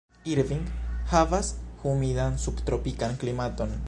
Irving havas humidan subtropikan klimaton.